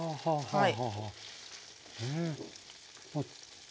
はい。